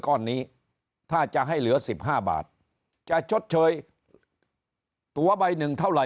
ก้อนนี้ถ้าจะให้เหลือ๑๕บาทจะชดเชยตัวใบหนึ่งเท่าไห